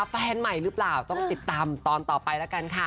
แฟนใหม่หรือเปล่าต้องติดตามตอนต่อไปแล้วกันค่ะ